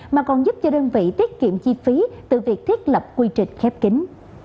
mà còn giúp cho đơn vị tiết kiệm chi phí từ việc thiết lập quy trình khép kính